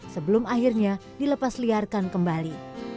sebelum akhirnya dilepasliarkan kembali